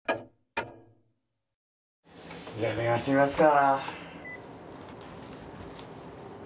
じゃあ電話してみますか。